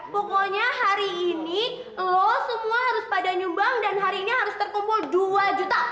pokoknya hari ini lo semua harus pada nyumbang dan hari ini harus terkumpul dua juta